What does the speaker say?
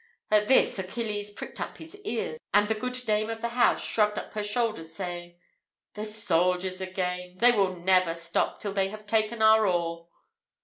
At this Achilles pricked up his ears, and the good dame of the house shrugged up her shoulders, saying, "The soldiers again! They will never stop till they have taken our all!"